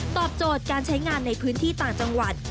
ตอบโจทย์การใช้งานในพื้นที่ต่างจังหวัด